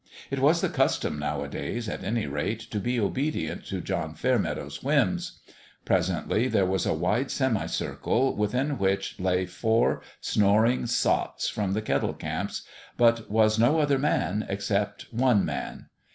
It was the custom, now adays, at any rate, to be obedient to John Fair meadow's whims. Presently there was a wide semicircle, within which lay four snoring sots from the Kettle Camps, but was no other man, except one man.